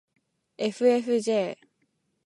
ｆｆｊ